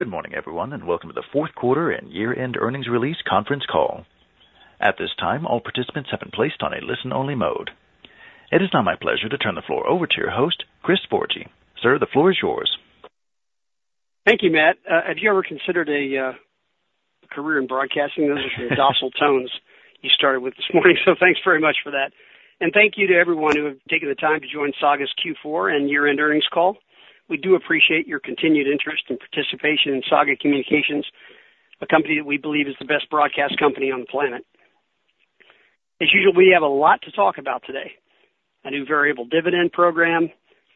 Good morning, everyone, and welcome to the fourth quarter and year-end earnings release conference call. At this time, all participants have been placed on a listen-only mode. It is now my pleasure to turn the floor over to your host, Christopher Forgy. Sir, the floor is yours. Thank you, Matt. Have you ever considered a career in broadcasting? Those are some docile tones you started with this morning, so thanks very much for that. Thank you to everyone who have taken the time to join Saga's Q4 and year-end earnings call. We do appreciate your continued interest and participation in Saga Communications, a company that we believe is the best broadcast company on the planet. As usual, we have a lot to talk about today: a new variable dividend program,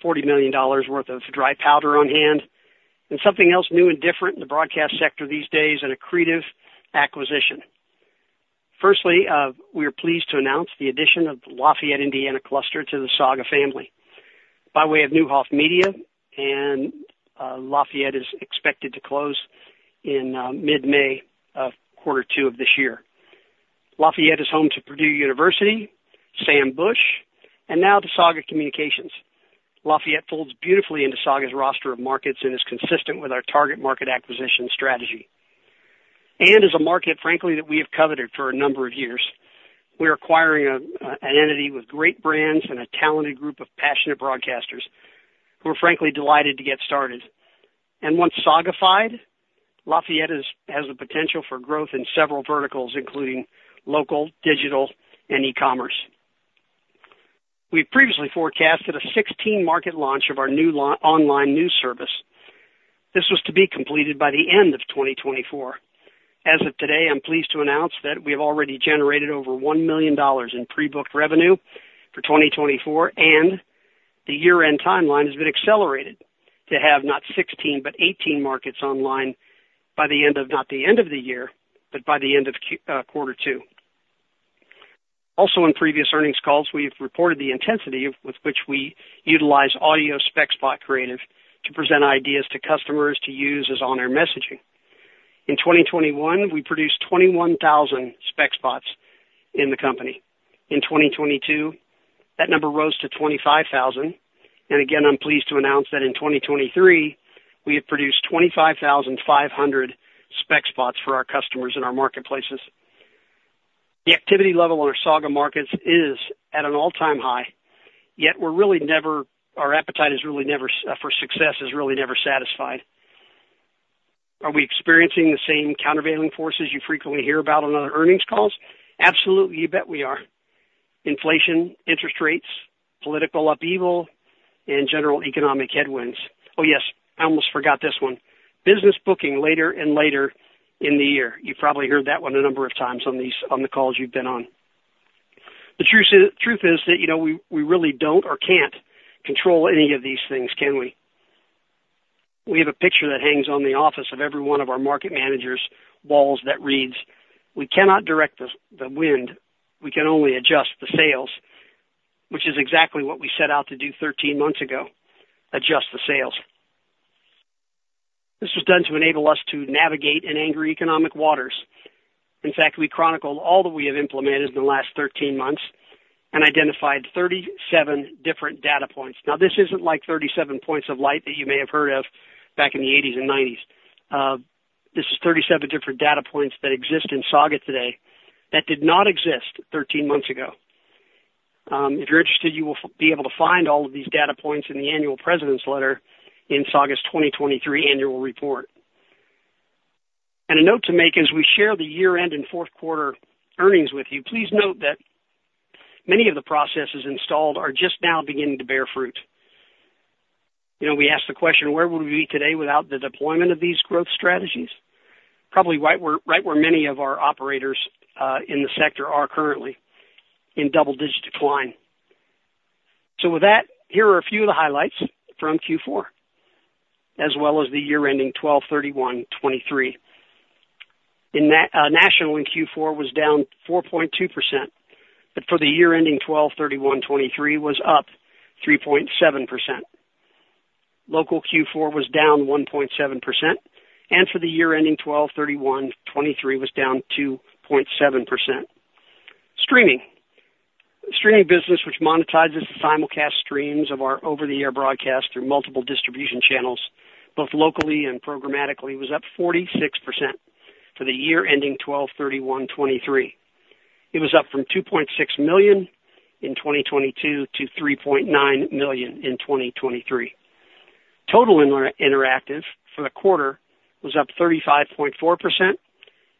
$40 million worth of dry powder on hand, and something else new and different in the broadcast sector these days, and a accretive acquisition. Firstly, we are pleased to announce the addition of the Lafayette, Indiana cluster to the Saga family by way of Neuhoff Media. Lafayette is expected to close in mid-May, quarter two of this year. Lafayette is home to Purdue University, Sam Bush, and now to Saga Communications. Lafayette folds beautifully into Saga's roster of markets and is consistent with our target market acquisition strategy. As a market, frankly, that we have coveted for a number of years, we're acquiring an entity with great brands and a talented group of passionate broadcasters who are, frankly, delighted to get started. Once Sagafied, Lafayette has the potential for growth in several verticals, including local, digital, and e-commerce. We've previously forecasted a 16-market launch of our new local online news service. This was to be completed by the end of 2024. As of today, I'm pleased to announce that we have already generated over $1 million in pre-booked revenue for 2024, and the year-end timeline has been accelerated to have not 16 but 18 markets online by the end of not the end of the year, but by the end of Q2. Also, in previous earnings calls, we have reported the intensity with which we utilize audio spec spot creative to present ideas to customers to use as on-air messaging. In 2021, we produced 21,000 spec spots in the company. In 2022, that number rose to 25,000. And again, I'm pleased to announce that in 2023, we have produced 25,500 spec spots for our customers in our marketplaces. The activity level on our Saga markets is at an all-time high, yet our appetite for success is really never satisfied. Are we experiencing the same countervailing forces you frequently hear about on other earnings calls? Absolutely, you bet we are. Inflation, interest rates, political upheaval, and general economic headwinds. Oh, yes, I almost forgot this one: business booking later and later in the year. You've probably heard that one a number of times on these, on the calls you've been on. The truth is the truth is that, you know, we really don't or can't control any of these things, can we? We have a picture that hangs on the office of every one of our market managers' walls that reads, "We cannot direct the wind. We can only adjust the sales," which is exactly what we set out to do 13 months ago: adjust the sales. This was done to enable us to navigate in angry economic waters. In fact, we chronicled all that we have implemented in the last 13 months and identified 37 different data points. Now, this isn't like 37 points of light that you may have heard of back in the 1980s and 1990s. This is 37 different data points that exist in Saga today that did not exist 13 months ago. If you're interested, you will be able to find all of these data points in the annual president's letter in Saga's 2023 annual report. A note to make as we share the year-end and fourth quarter earnings with you, please note that many of the processes installed are just now beginning to bear fruit. You know, we asked the question, "Where would we be today without the deployment of these growth strategies?" Probably right where many of our operators in the sector are currently in double-digit decline. So with that, here are a few of the highlights from Q4 as well as the year-ending 12/31/2023. National in Q4 was down 4.2%, but for the year-ending 12/31/2023, it was up 3.7%. Local Q4 was down 1.7%, and for the year-ending 12/31/2023, it was down 2.7%. Streaming. Streaming business, which monetizes the simulcast streams of our over-the-air broadcast through multiple distribution channels both locally and programmatically, was up 46% for the year-ending 12/31/2023. It was up from $2.6 million in 2022 to $3.9 million in 2023. Total interactive for the quarter was up 35.4%,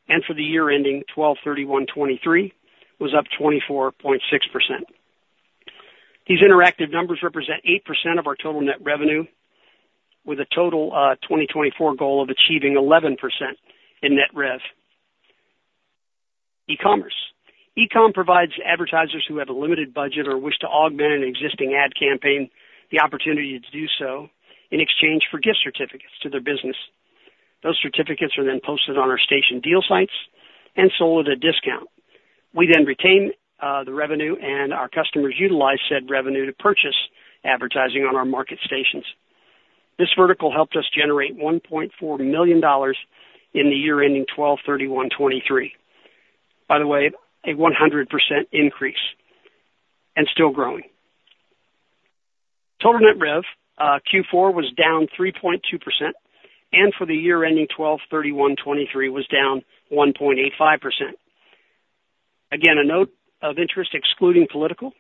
and for the year-ending 12/31/2023, it was up 24.6%. These interactive numbers represent 8% of our total net revenue, with a total 2024 goal of achieving 11% in net rev. E-commerce. e-com provides advertisers who have a limited budget or wish to augment an existing ad campaign the opportunity to do so in exchange for gift certificates to their business. Those certificates are then posted on our station deal sites and sold at a discount. We then retain the revenue, and our customers utilize said revenue to purchase advertising on our market stations. This vertical helped us generate $1.4 million in the year ending 12/31/2023, by the way, a 100% increase and still growing. Total net rev, Q4 was down 3.2%, and for the year ending 12/31/2023, it was down 1.85%. Again, a note of interest excluding political: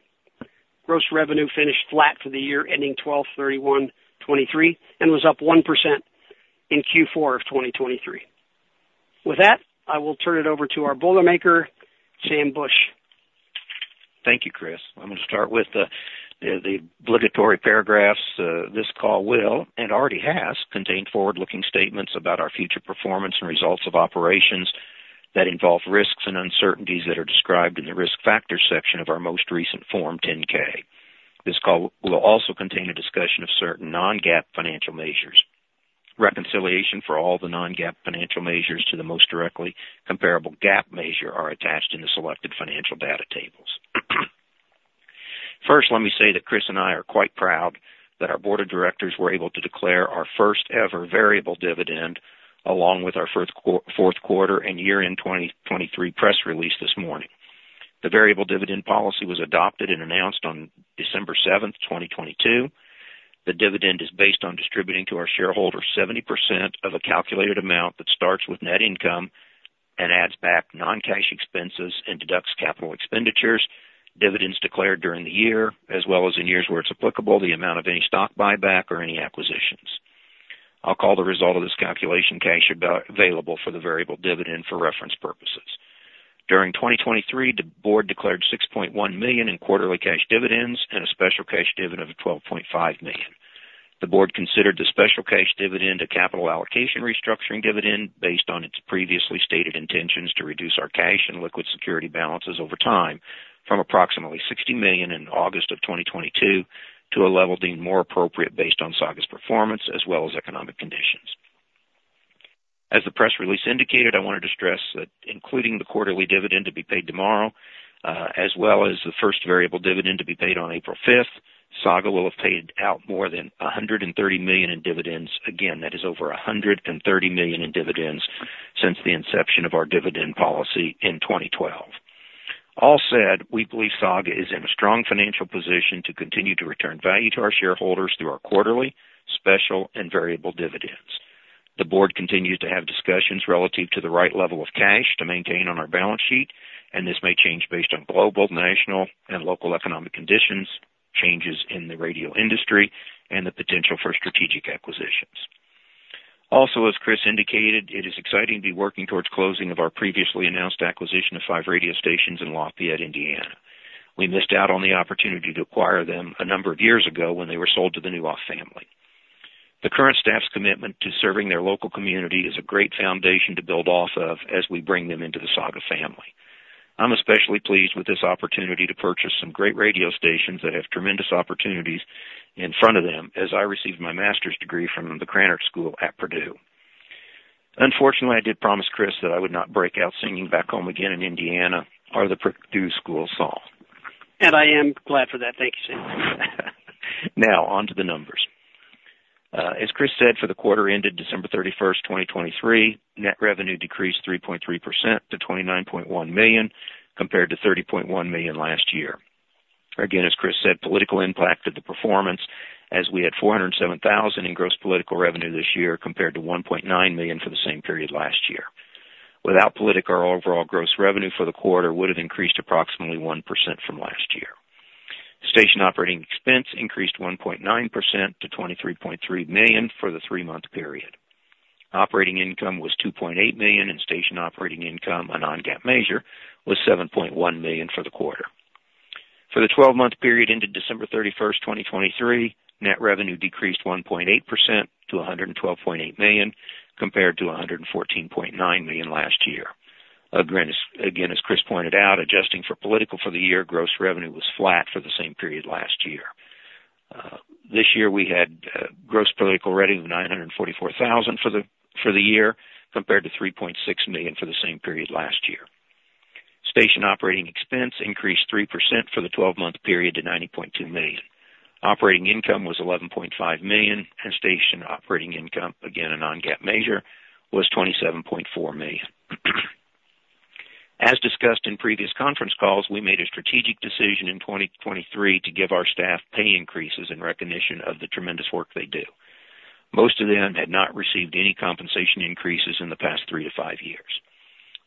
gross revenue finished flat for the year ending 12/31/2023 and was up 1% in Q4 of 2023. With that, I will turn it over to our Boilermaker, Samuel D. Bush. Thank you, Chris. I'm gonna start with the, the obligatory paragraphs. This call will and already has contained forward-looking statements about our future performance and results of operations that involve risks and uncertainties that are described in the risk factors section of our most recent Form 10-K. This call will also contain a discussion of certain non-GAAP financial measures. Reconciliation for all the non-GAAP financial measures to the most directly comparable GAAP measure are attached in the selected financial data tables. First, let me say that Chris and I are quite proud that our board of directors were able to declare our first-ever variable dividend along with our first fourth quarter and year-end 2023 press release this morning. The variable dividend policy was adopted and announced on December 7th, 2022. The dividend is based on distributing to our shareholders 70% of a calculated amount that starts with net income and adds back non-cash expenses and deducts capital expenditures, dividends declared during the year, as well as in years where it's applicable, the amount of any stock buyback or any acquisitions. I'll call the result of this calculation cash available for the Variable Dividend for reference purposes. During 2023, the board declared $6.1 million in quarterly cash dividends and a special cash dividend of $12.5 million. The board considered the special cash dividend a capital allocation restructuring dividend based on its previously stated intentions to reduce our cash and liquid security balances over time from approximately $60 million in August of 2022 to a level deemed more appropriate based on Saga's performance as well as economic conditions. As the press release indicated, I wanna stress that including the quarterly dividend to be paid tomorrow, as well as the first variable dividend to be paid on April 5th, Saga will have paid out more than $130 million in dividends. Again, that is over $130 million in dividends since the inception of our dividend policy in 2012. All said, we believe Saga is in a strong financial position to continue to return value to our shareholders through our quarterly special and variable dividends. The board continues to have discussions relative to the right level of cash to maintain on our balance sheet, and this may change based on global, national, and local economic conditions, changes in the radio industry, and the potential for strategic acquisitions. Also, as Chris indicated, it is exciting to be working towards closing of our previously announced acquisition of five radio stations in Lafayette, Indiana. We missed out on the opportunity to acquire them a number of years ago when they were sold to the Neuhoff family. The current staff's commitment to serving their local community is a great foundation to build off of as we bring them into the Saga family. I'm especially pleased with this opportunity to purchase some great radio stations that have tremendous opportunities in front of them as I received my master's degree from the Krannert School at Purdue. Unfortunately, I did promise Chris that I would not break out singing Back Home Again in Indiana or the Purdue school song. I am glad for that. Thank you, Sam. Now, onto the numbers. As Chris said, for the quarter ended December 31st, 2023, net revenue decreased 3.3% to $29.1 million compared to $30.1 million last year. Again, as Chris said, political impact of the performance as we had $407,000 in gross political revenue this year compared to $1.9 million for the same period last year. Without political, our overall gross revenue for the quarter would have increased approximately 1% from last year. Station operating expense increased 1.9% to $23.3 million for the three-month period. Operating income was $2.8 million, and station operating income, a non-GAAP measure, was $7.1 million for the quarter. For the 12-month period ended December 31st, 2023, net revenue decreased 1.8% to $112.8 million compared to $114.9 million last year. Again, as Chris pointed out, adjusting for political for the year, gross revenue was flat for the same period last year. This year, we had gross political revenue of $944,000 for the year compared to $3.6 million for the same period last year. Station operating expense increased 3% for the 12-month period to $90.2 million. Operating income was $11.5 million, and station operating income, again a non-GAAP measure, was $27.4 million. As discussed in previous conference calls, we made a strategic decision in 2023 to give our staff pay increases in recognition of the tremendous work they do. Most of them had not received any compensation increases in the past three to five years.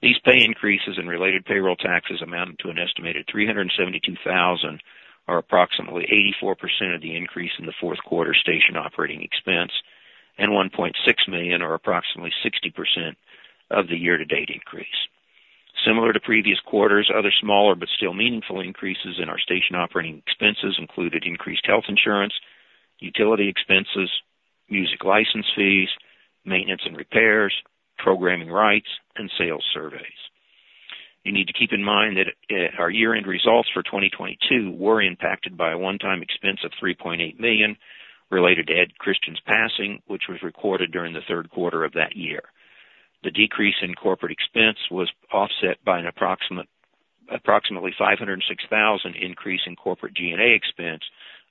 These pay increases and related payroll taxes amounted to an estimated $372,000 or approximately 84% of the increase in the fourth quarter station operating expense, and $1.6 million or approximately 60% of the year-to-date increase. Similar to previous quarters, other smaller but still meaningful increases in our station operating expenses included increased health insurance, utility expenses, music license fees, maintenance and repairs, programming rights, and sales surveys. You need to keep in mind that, our year-end results for 2022 were impacted by a one-time expense of $3.8 million related to Ed Christian's passing, which was recorded during the third quarter of that year. The decrease in corporate expense was offset by approximately $506,000 increase in corporate G&A expense,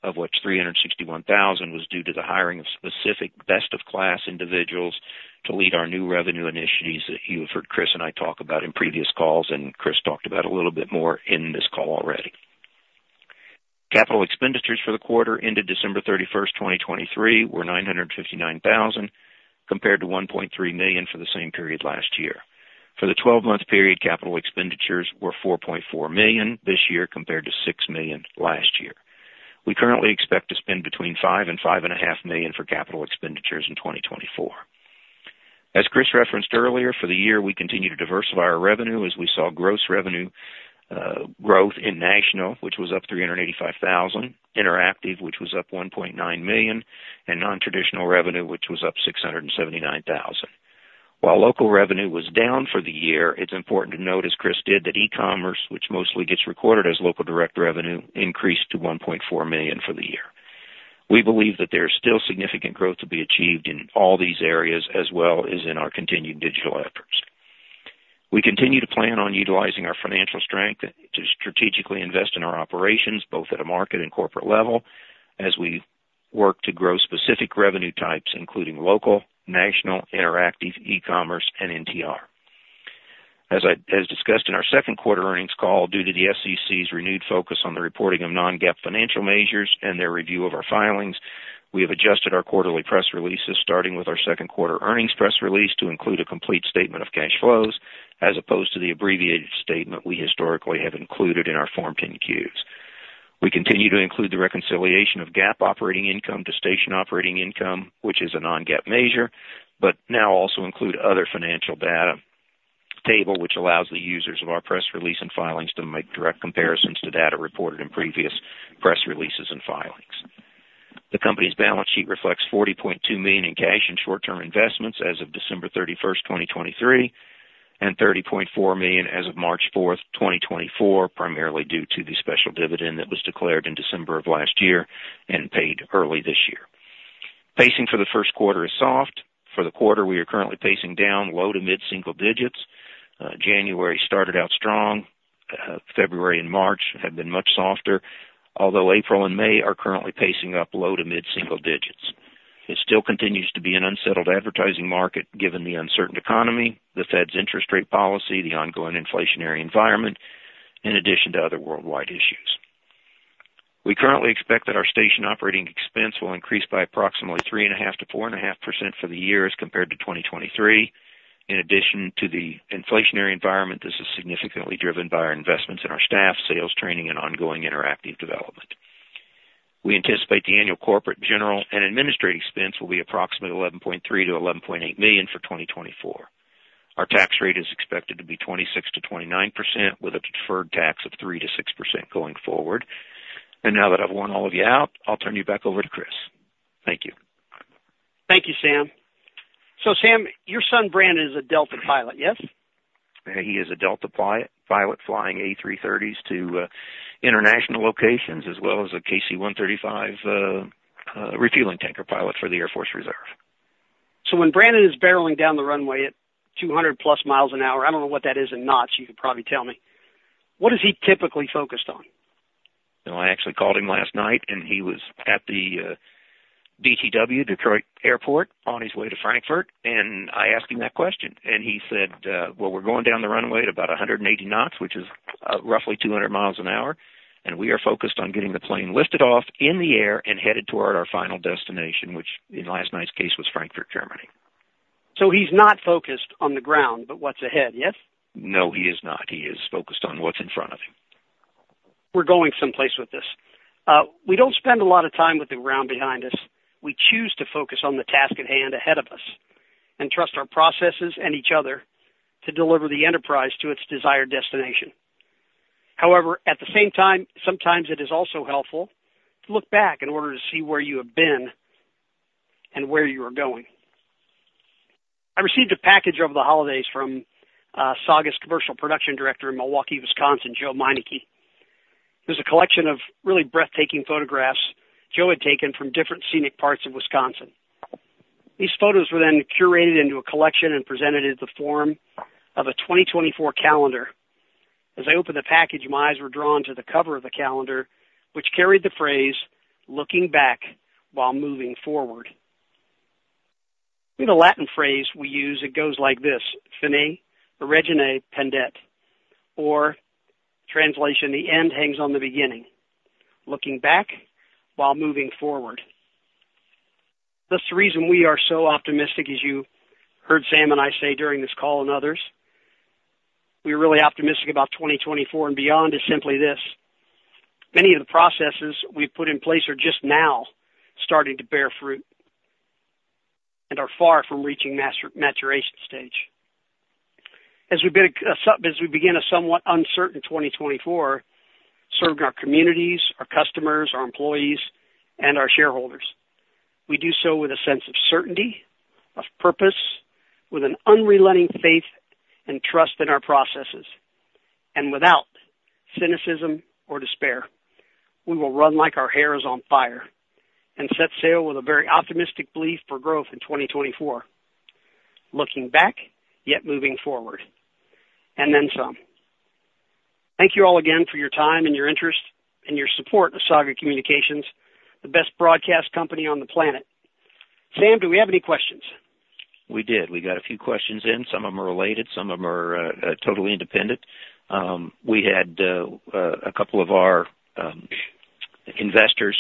of which $361,000 was due to the hiring of specific best-of-class individuals to lead our new revenue initiatives that you have heard Chris and I talk about in previous calls, and Chris talked about a little bit more in this call already. Capital expenditures for the quarter ended December 31st, 2023, were $959,000 compared to $1.3 million for the same period last year. For the 12-month period, capital expenditures were $4.4 million this year compared to $6 million last year. We currently expect to spend between $5 million and $5.5 million for capital expenditures in 2024. As Chris referenced earlier, for the year, we continue to diversify our revenue as we saw gross revenue growth in national, which was up $385,000, interactive, which was up $1.9 million, and non-traditional revenue, which was up $679,000. While local revenue was down for the year, it's important to note, as Chris did, that e-commerce, which mostly gets recorded as local direct revenue, increased to $1.4 million for the year. We believe that there is still significant growth to be achieved in all these areas as well as in our continued digital efforts. We continue to plan on utilizing our financial strength to strategically invest in our operations both at a market and corporate level as we work to grow specific revenue types including local, national, interactive, e-commerce, and NTR. As I discussed in our second quarter earnings call, due to the SEC's renewed focus on the reporting of non-GAAP financial measures and their review of our filings, we have adjusted our quarterly press releases starting with our second quarter earnings press release to include a complete statement of cash flows as opposed to the abbreviated statement we historically have included in our Form 10-Qs. We continue to include the reconciliation of GAAP operating income to station operating income, which is a non-GAAP measure, but now also include other financial data table, which allows the users of our press release and filings to make direct comparisons to data reported in previous press releases and filings. The company's balance sheet reflects $40.2 million in cash and short-term investments as of December 31st, 2023, and $30.4 million as of March 4th, 2024, primarily due to the special dividend that was declared in December of last year and paid early this year. Pacing for the first quarter is soft. For the quarter, we are currently pacing down low to mid-single digits. January started out strong. February and March have been much softer, although April and May are currently pacing up low to mid-single digits. It still continues to be an unsettled advertising market given the uncertain economy, the Fed's interest rate policy, the ongoing inflationary environment, in addition to other worldwide issues. We currently expect that our station operating expense will increase by approximately 3.5% to 4.5% for the years compared to 2023. In addition to the inflationary environment, this is significantly driven by our investments in our staff, sales training, and ongoing interactive development. We anticipate the annual corporate general and administrative expense will be approximately $11.3 million to $11.8 million for 2024. Our tax rate is expected to be 26% to 29% with a deferred tax of 3% to 6% going forward. Now that I've worn all of you out, I'll turn you back over to Chris. Thank you. Thank you, Sam. So, Sam, your son Brandon is a Delta pilot, yes? He is a Delta pilot flying A330s to international locations as well as a KC-135 refueling tanker pilot for the Air Force Reserve. So when Brandon is barreling down the runway at 200+ miles an hour (I don't know what that is in knots, you could probably tell me), what is he typically focused on? Well, I actually called him last night, and he was at the DTW, Detroit Airport, on his way to Frankfurt, and I asked him that question. And he said, "Well, we're going down the runway at about 180 knots, which is roughly 200 miles an hour, and we are focused on getting the plane lifted off in the air and headed toward our final destination," which in last night's case was Frankfurt, Germany. So he's not focused on the ground but what's ahead, yes? No, he is not. He is focused on what's in front of him. We're going someplace with this. We don't spend a lot of time with the ground behind us. We choose to focus on the task at hand ahead of us and trust our processes and each other to deliver the enterprise to its desired destination. However, at the same time, sometimes it is also helpful to look back in order to see where you have been and where you are going. I received a package over the holidays from Saga's commercial production director in Milwaukee, Wisconsin, Joe Meinecke. It was a collection of really breathtaking photographs Joe had taken from different scenic parts of Wisconsin. These photos were then curated into a collection and presented as the form of a 2024 calendar. As I opened the package, my eyes were drawn to the cover of the calendar, which carried the phrase, "Looking back while moving forward." The Latin phrase we use, it goes like this: Finis origine pendet, or translation, the end hangs on the beginning: looking back while moving forward. That's the reason we are so optimistic, as you heard Sam and I say during this call and others. We are really optimistic about 2024 and beyond is simply this: many of the processes we've put in place are just now starting to bear fruit and are far from reaching maturation stage. As we begin a somewhat uncertain 2024, serving our communities, our customers, our employees, and our shareholders, we do so with a sense of certainty, of purpose, with an unrelenting faith and trust in our processes, and without cynicism or despair. We will run like our hair is on fire and set sail with a very optimistic belief for growth in 2024: looking back yet moving forward, and then some. Thank you all again for your time and your interest and your support of Saga Communications, the best broadcast company on the planet. Sam, do we have any questions? We did. We got a few questions in. Some of them are related. Some of them are totally independent. We had a couple of our investors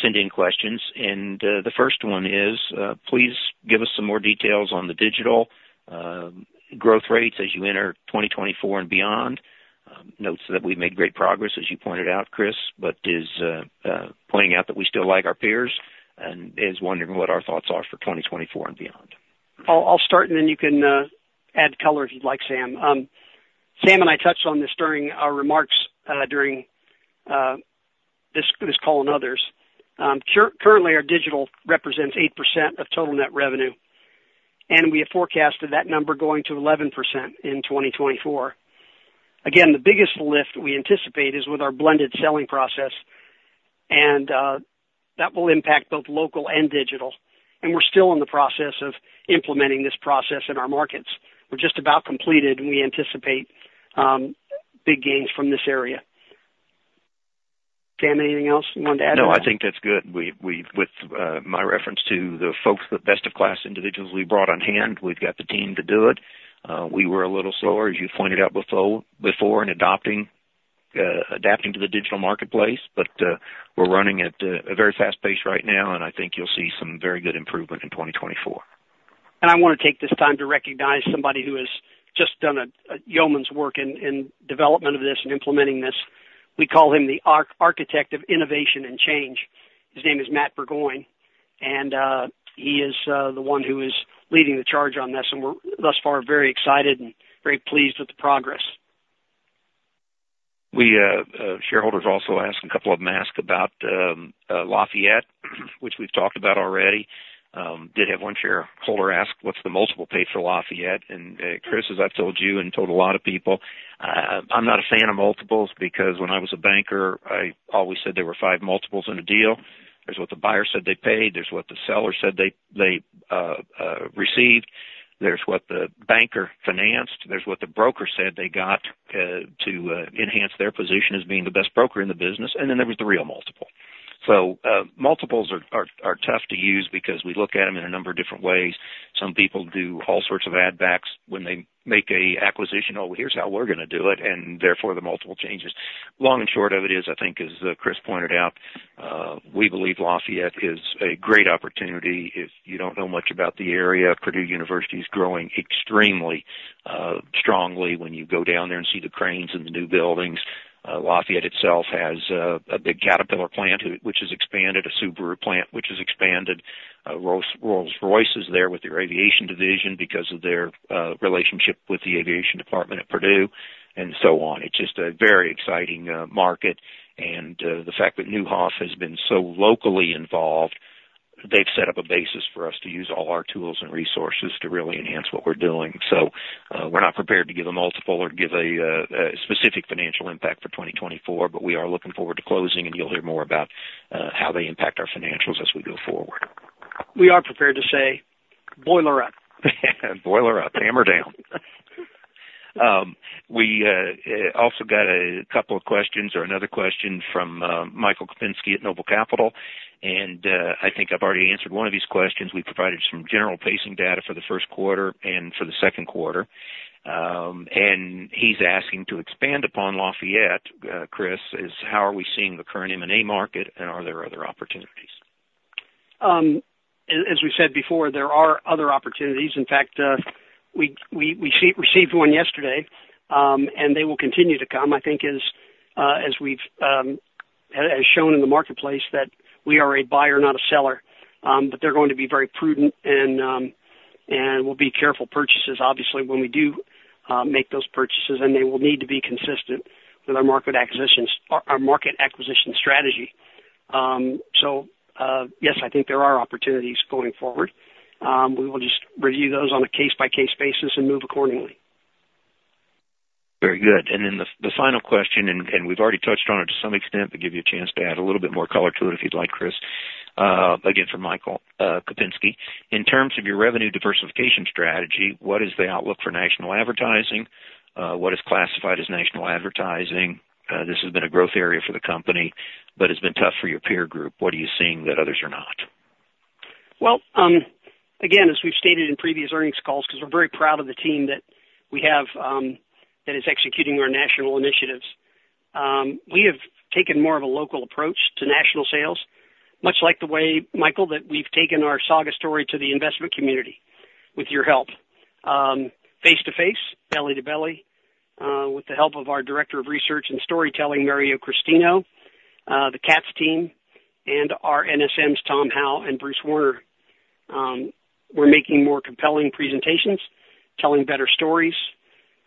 send in questions. And the first one is, please give us some more details on the digital growth rates as you enter 2024 and beyond, notes that we've made great progress, as you pointed out, Chris, but is pointing out that we still lag our peers and is wondering what our thoughts are for 2024 and beyond. I'll start, and then you can add color if you'd like, Sam. Sam and I touched on this during our remarks during this call and others. Currently, our digital represents 8% of total net revenue, and we have forecasted that number going to 11% in 2024. Again, the biggest lift we anticipate is with our blended selling process, and that will impact both local and digital. We're still in the process of implementing this process in our markets. We're just about completed, and we anticipate big gains from this area. Sam, anything else you wanted to add to that? No, I think that's good. We, with my reference to the folks, the best-of-class individuals we brought on hand, we've got the team to do it. We were a little slower, as you pointed out before, in adapting to the digital marketplace, but we're running at a very fast pace right now, and I think you'll see some very good improvement in 2024. I want to take this time to recognize somebody who has just done a yeoman's work in development of this and implementing this. We call him the architect of innovation and change. His name is Matt Burgoyne, and he is the one who is leading the charge on this. We're thus far very excited and very pleased with the progress. A couple of shareholders also asked about Lafayette, which we've talked about already. We did have one shareholder ask, "What's the multiple paid for Lafayette?" And, Chris, as I've told you and told a lot of people, I'm not a fan of multiples because when I was a banker, I always said there were five multiples in a deal. There's what the buyer said they paid. There's what the seller said they received. There's what the banker financed. There's what the broker said they got to enhance their position as being the best broker in the business. And then there was the real multiple. So, multiples are tough to use because we look at them in a number of different ways. Some people do all sorts of add-backs when they make an acquisition. Oh, well, here's how we're going to do it," and therefore the multiple changes. Long and short of it is, I think, as Chris pointed out, we believe Lafayette is a great opportunity. If you don't know much about the area, Purdue University is growing extremely strongly. When you go down there and see the cranes and the new buildings, Lafayette itself has a big Caterpillar plant which has expanded, a Subaru plant which has expanded. Rolls-Royce is there with their aviation division because of their relationship with the aviation department at Purdue and so on. It's just a very exciting market. And the fact that Neuhoff has been so locally involved, they've set up a basis for us to use all our tools and resources to really enhance what we're doing. So, we're not prepared to give a multiple or give a specific financial impact for 2024, but we are looking forward to closing, and you'll hear more about how they impact our financials as we go forward. We are prepared to say, "Boiler Up. Boiler Up. Hammer Down. We also got a couple of questions or another question from Michael Kupinski at Noble Capital Markets. I think I've already answered one of his questions. We provided some general pacing data for the first quarter and for the second quarter. He's asking to expand upon Lafayette. Chris, is how are we seeing the current M&A market, and are there other opportunities? As we said before, there are other opportunities. In fact, we received one yesterday, and they will continue to come, I think, as we've shown in the marketplace, that we are a buyer, not a seller. But they're going to be very prudent and will be careful purchases, obviously, when we do make those purchases. And they will need to be consistent with our market acquisition strategy. So, yes, I think there are opportunities going forward. We will just review those on a case-by-case basis and move accordingly. Very good. And then the final question, and we've already touched on it to some extent, but give you a chance to add a little bit more color to it if you'd like, Chris, again from Michael Kupinski. In terms of your revenue diversification strategy, what is the outlook for national advertising? What is classified as national advertising? This has been a growth area for the company, but it's been tough for your peer group. What are you seeing that others are not? Well, again, as we've stated in previous earnings calls because we're very proud of the team that we have, that is executing our national initiatives, we have taken more of a local approach to national sales, much like the way, Michael, that we've taken our Saga story to the investment community with your help, face-to-face, belly to belly, with the help of our director of research and storytelling, Mario Christino, the Katz team, and our NSMs, Tom Howe and Bruce Warner. We're making more compelling presentations, telling better stories,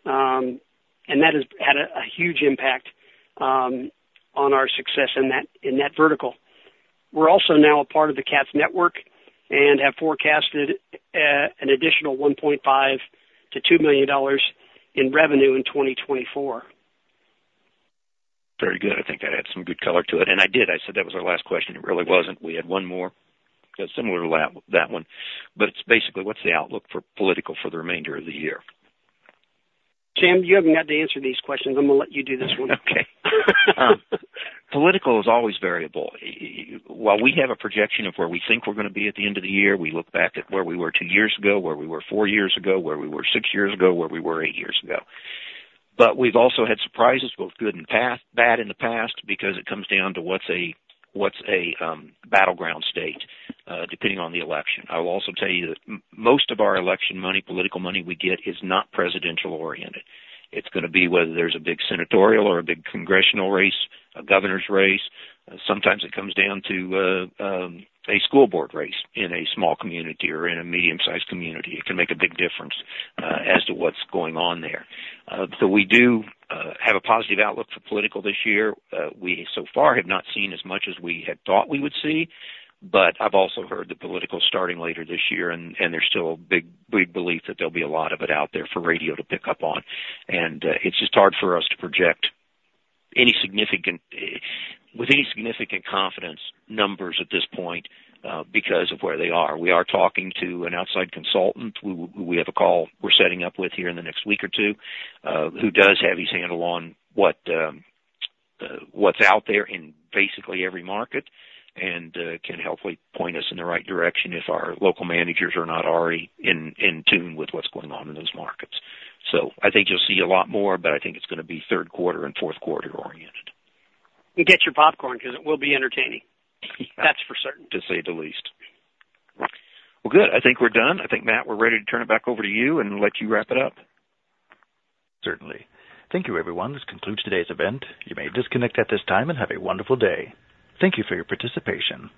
and that has had a huge impact on our success in that vertical. We're also now a part of the Katz network and have forecasted an additional $1.5 to $2 million in revenue in 2024. Very good. I think that adds some good color to it. And I did. I said that was our last question. It really wasn't. We had one more that's similar to that one. But it's basically, what's the outlook for political for the remainder of the year? Sam, you haven't got to answer these questions. I'm going to let you do this one. Okay. Political is always variable. While we have a projection of where we think we're going to be at the end of the year, we look back at where we were two years ago, where we were four years ago, where we were six years ago, where we were eight years ago. But we've also had surprises, both good and bad in the past because it comes down to what's a battleground state, depending on the election. I will also tell you that most of our election money, political money we get, is not presidential-oriented. It's going to be whether there's a big senatorial or a big congressional race, a governor's race. Sometimes it comes down to a school board race in a small community or in a medium-sized community. It can make a big difference as to what's going on there. We do have a positive outlook for political this year. We so far have not seen as much as we had thought we would see. But I've also heard the political starting later this year, and there's still a big, big belief that there'll be a lot of it out there for radio to pick up on. It's just hard for us to project any significant with any significant confidence numbers at this point, because of where they are. We are talking to an outside consultant. We have a call we're setting up with here in the next week or two, who does have his handle on what's out there in basically every market and can helpfully point us in the right direction if our local managers are not already in tune with what's going on in those markets. I think you'll see a lot more, but I think it's going to be third quarter and fourth quarter-oriented. You get your popcorn because it will be entertaining. That's for certain. To say the least. Well, good. I think we're done. I think, Matt, we're ready to turn it back over to you and let you wrap it up. Certainly. Thank you, everyone. This concludes today's event. You may disconnect at this time and have a wonderful day. Thank you for your participation.